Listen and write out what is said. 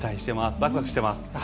ワクワクしています。